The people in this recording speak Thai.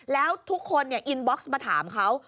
แล้วทุกคนอินบ็อกซ์มาถามเขา